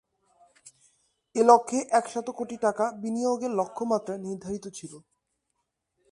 এ লক্ষ্যে একশত কোটি টাকা বিনিয়োগের লক্ষ্যমাত্রা নির্ধারিত ছিল।